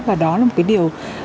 và đó là một cái điều